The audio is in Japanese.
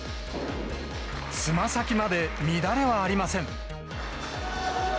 つま先まで乱れはありません。